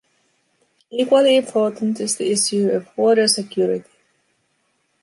Equally important is the issue of water security.